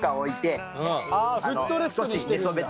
あフットレストにしてるんだ。